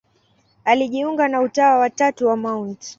Alijiunga na Utawa wa Tatu wa Mt.